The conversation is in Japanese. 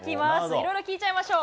いろいろ聞いちゃいましょう。